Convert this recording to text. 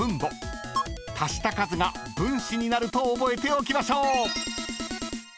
［足した数が分子になると覚えておきましょう］